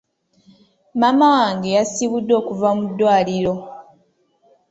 Maama wange yasiibuddwa okuva mu ddwaliro.